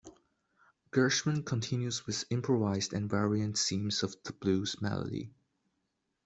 Gershwin continues with improvised and variant themes of the blues melody.